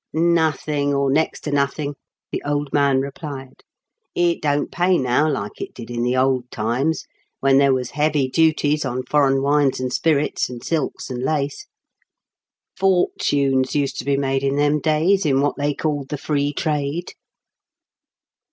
"Nothing, or next to nothing," the old man replied. " It don't pay now Hke it did in the old times, when there was heavy duties on foreign wines and spirits, and silks and lace. Fortunes used to be made in them days in what they called the free trade."